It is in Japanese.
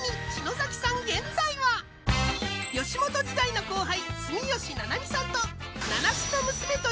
吉本時代の後輩